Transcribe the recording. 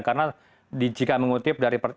karena jika mengutip pernyataan dari paman korban